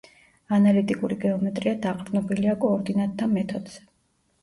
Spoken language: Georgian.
ანალიტიკური გეომეტრია დაყრდნობილია კოორდინატთა მეთოდზე.